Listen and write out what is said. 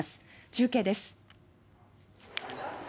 中継です。